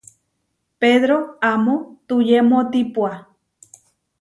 Pedró amó tuyemótipua.